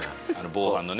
防犯のね。